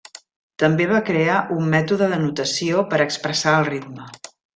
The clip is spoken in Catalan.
També va crear un mètode de notació per expressar el ritme.